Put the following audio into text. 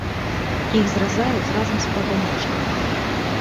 Іх зразаюць разам з пладаножкамі.